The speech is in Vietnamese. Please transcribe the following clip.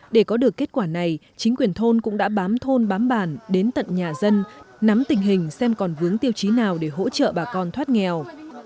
để có được kết quả này chính quyền thôn cũng đã bám thôn bám bản đến tận nhà dân nắm tình hình xem còn vướng tiêu chí nào để hỗ trợ bà con thoát nghèo